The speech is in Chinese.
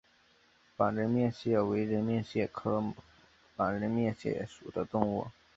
仿人面蟹为人面蟹科仿人面蟹属的动物。